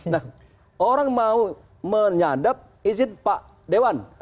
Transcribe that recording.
nah orang mau menyadap izin pak dewan